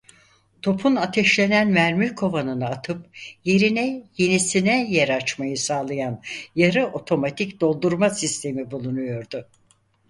Topun ateşlenen mermi kovanını atıp yerine yenisine yer açmayı sağlayan yarı otomatik doldurma sistemi bulunuyordu.